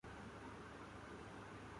لیکن اس سب کے باوجود